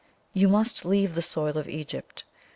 You must leave the soil of Egypt.